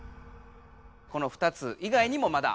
この２つ以外にもまだ。